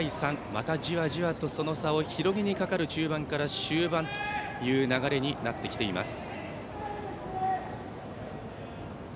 またじわじわとその差を広げにかかる中盤から終盤という流れになってきています。